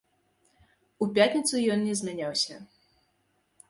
У пятніцу ён не змяняўся.